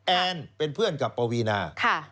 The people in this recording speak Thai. แอนเป็นเพื่อนกับปวีนา